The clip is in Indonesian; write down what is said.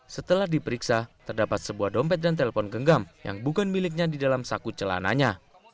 setelah diperiksa terdapat sebuah dompet dan telpon genggam yang bukan miliknya di dalam saku celananya